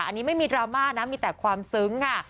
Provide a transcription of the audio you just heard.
อันนี้ไม่มีดราม่านะมีแต่ความซึ้งค่ะ